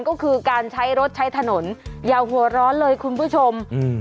ก็คือการใช้รถใช้ถนนอย่าหัวร้อนเลยคุณผู้ชมอืม